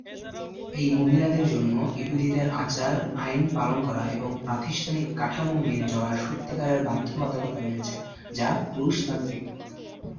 এই মহিলাদের জন্য, ইহুদিদের আচার আইন পালন করা এবং প্রাতিষ্ঠানিক কাঠামো মেনে চলার সত্যিকারের বাধ্যবাধকতা রয়েছে যা পুরুষতান্ত্রিক প্রকৃতির।